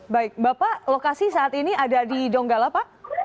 baik bapak lokasi saat ini ada di donggala pak